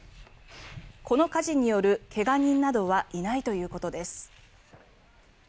この火事による怪我人などはいないということです。